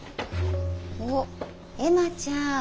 おっ絵麻ちゃん